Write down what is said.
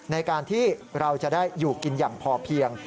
ในการที่เราจะได้อยู่กินอย่างพอเพียง